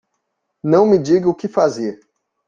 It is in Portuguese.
Não me diga o que fazer!